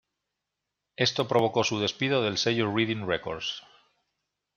Esto provocó su despido del sello Rhythm Records.